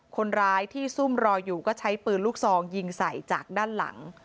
คนร้ายที่ซุ่มรออยู่ก็ใช้ปืนลูกซองยิงใส่จากด้านหลัง